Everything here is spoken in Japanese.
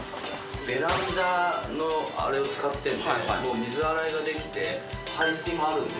ベランダのあれを使ってんでもう水洗いができて排水もあるんですよ。